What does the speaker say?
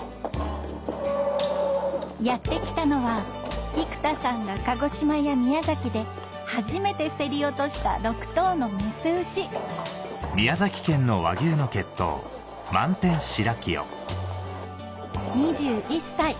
やって来たのは生田さんが鹿児島や宮崎で初めて競り落とした６頭のメス牛２１歳